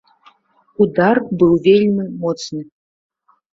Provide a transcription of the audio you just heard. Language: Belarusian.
Удар быў вельмі моцны.